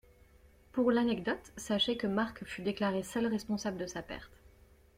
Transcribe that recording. Pour l’anecdote, sachez que Marc fut déclaré seul responsable de sa perte.